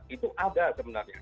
itu ada sebenarnya